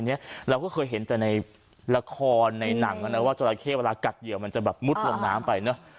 เราก็เคยเห็นแต่ในละครในหนังว่าจราเข้เวลากัดเหยื่อมันจะมุดลงน้ำไป